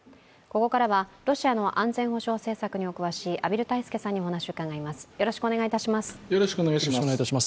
ここからはロシアの安全保障政策にお詳しい畔蒜泰助さんにお話を伺います。